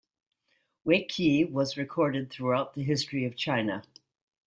Wei Qi was recorded throughout the history of China.